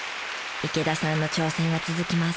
池田さんの挑戦は続きます。